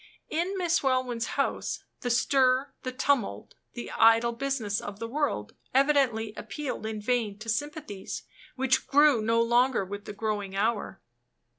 In Miss Welwyn's house, the stir, the tumult, the "idle business" of the world evidently appealed in vain to sympathies which grew no longer with the growing hour.